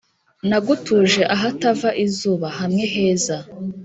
Nagutuje ahatava izuba hamwe heza